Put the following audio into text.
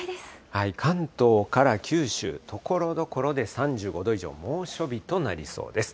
関東から九州、ところどころで３５度以上、猛暑日となりそうです。